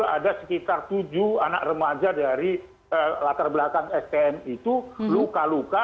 ada sekitar tujuh anak remaja dari latar belakang stm itu luka luka